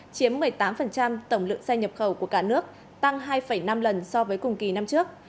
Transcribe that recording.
chiếm một mươi tám tổng lượng xe nhập khẩu của cả nước tăng hai năm lần so với cùng kỳ năm trước